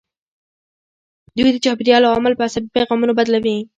دوی د چاپیریال عوامل په عصبي پیغامونو بدلوي.